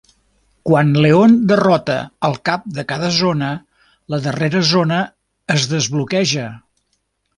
Quan Leon derrota el cap de cada zona, la darrera zona es desbloqueja.